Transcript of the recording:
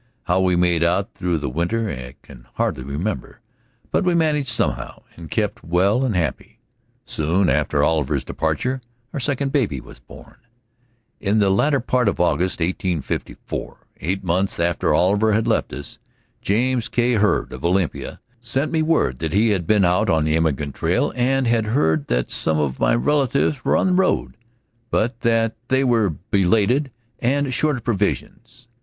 How we made out through the winter I can hardly remember, but we managed somehow and kept well and happy. Soon after Oliver's departure our second baby was born. In the latter part of August, 1854, eight months after Oliver had left us, James K. Hurd, of Olympia, sent me word that he had been out on the immigrant trail and had heard that some of my relatives were on the road, but that they were belated and short of provisions.